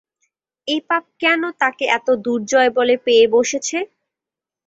এ পাপ কেন তাকে এত দুর্জয় বলে পেয়ে বসেছে?